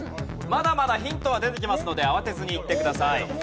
まだまだヒントは出てきますので慌てずにいってください。